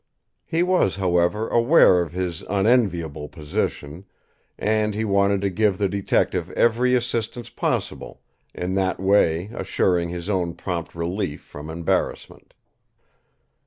He was, however, aware of his unenviable position, and he wanted to give the detective every assistance possible, in that way assuring his own prompt relief from embarrassment.